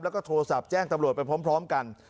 แล้วก็โทรศัพท์แจ้งตำรวจไปพร้อมกัน